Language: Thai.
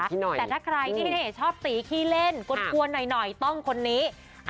แต่ถ้าใครนี่ชอบตีขี้เล่นกลวนหน่อยต้องคนนี้